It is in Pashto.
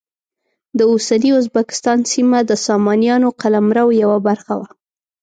د اوسني ازبکستان سیمه د سامانیانو قلمرو یوه برخه وه.